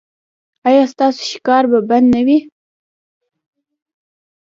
ایا ستاسو ښکار به بند نه وي؟